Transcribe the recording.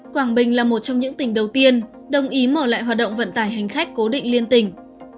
quảng bình là một trong những tỉnh đầu tiên đồng ý mở lại hoạt động vận tải hành khách cố định liên tỉnh